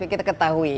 kita ketahui ya